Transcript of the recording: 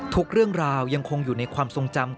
ทุกเรื่องราวยังคงอยู่ในความทรงจำ